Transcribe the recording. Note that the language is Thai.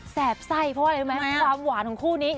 แปบไส้เพราะอะไรรู้ไหมความหวานของคู่นี้